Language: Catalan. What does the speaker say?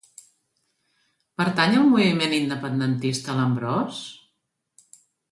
Pertany al moviment independentista l'Ambròs?